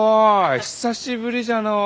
久しぶりじゃのう！